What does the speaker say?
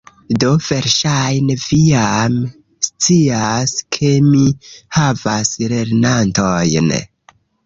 Do, verŝajne vi jam scias, ke mi havas lernantojn